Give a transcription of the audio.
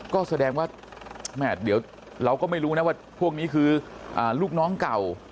ก็แสดงว่าแม่เดี๋ยวเราก็ไม่รู้นะว่าพวกนี้คือลูกน้องเก่า